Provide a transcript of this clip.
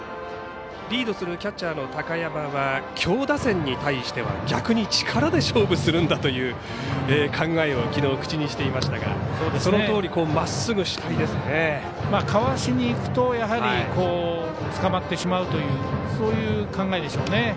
リードするキャッチャーの高山は強打線に対しては逆に力で勝負するんだという考えをきのう口にしていましたがかわしにいくとつかまってしまうというそういう考えでしょうね。